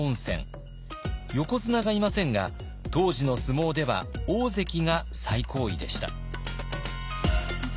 横綱がいませんが当時の相撲では大関が最高位でした。